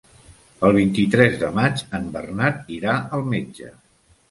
El vint-i-tres de maig en Bernat irà al metge.